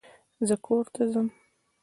زه کورته ځم